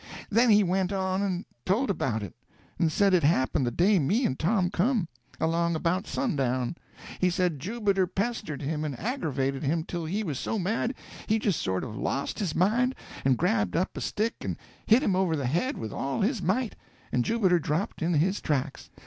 Then he went on and told about it, and said it happened the day me and Tom come—along about sundown. He said Jubiter pestered him and aggravated him till he was so mad he just sort of lost his mind and grabbed up a stick and hit him over the head with all his might, and Jubiter dropped in his tracks.